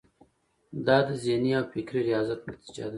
دا د ذهني او فکري ریاضت نتیجه ده.